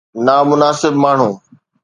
نامناسب ماڻهو